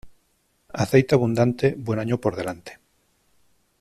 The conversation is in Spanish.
Aceite abundante, buen año por delante.